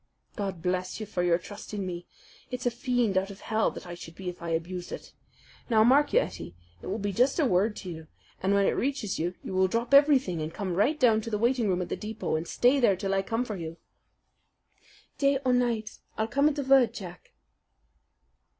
"God bless you for your trust in me! It's a fiend out of hell that I should be if I abused it. Now, mark you, Ettie, it will be just a word to you, and when it reaches you, you will drop everything and come right down to the waiting room at the depot and stay there till I come for you." "Day or night, I'll come at the word, Jack."